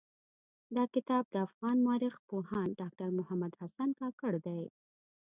دا کتاب د افغان مٶرخ پوهاند ډاکټر محمد حسن کاکړ دٸ.